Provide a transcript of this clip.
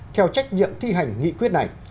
theo trách nhiệm thi hành nghị quyết này